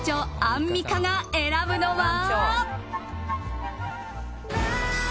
アンミカが選ぶのは？